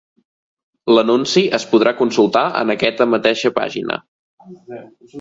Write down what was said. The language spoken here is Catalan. L'anunci es podrà consultar en aquesta mateixa pàgina.